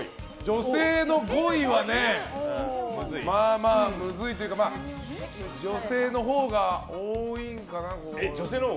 女性の５位はまあまあむずいというか女性のほうが多いのかな？